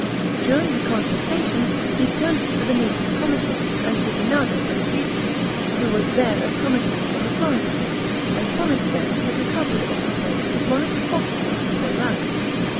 During the consultation, he turned to the Venetian commissaries and to Bernardo de' Medici, who was there as commissary for the Florentines, and promised them the recovery of the place if one of the fortresses should hold out.